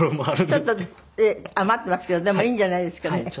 ちょっと余ってますけどでもいいんじゃないですかね。